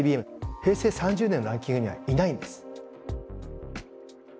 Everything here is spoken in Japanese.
平成３０年のランキングにはいないんです。